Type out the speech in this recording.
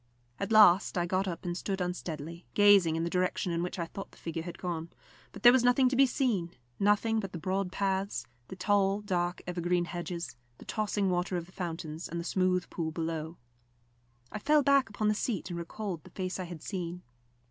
At last I got up and stood unsteadily, gazing in the direction in which I thought the figure had gone; but there was nothing to be seen nothing but the broad paths, the tall, dark evergreen hedges, the tossing water of the fountains and the smooth pool below. I fell back upon the seat and recalled the face I had seen.